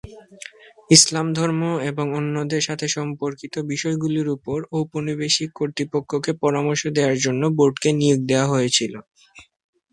ইসলাম ধর্ম এবং অন্যদের সাথে সম্পর্কিত বিষয়গুলির উপর ঔপনিবেশিক কর্তৃপক্ষকে পরামর্শ দেওয়ার জন্য বোর্ডকে নিয়োগ দেওয়া হয়েছিল।